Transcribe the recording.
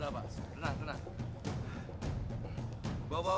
gimana pak ustadz rika lari kemana pak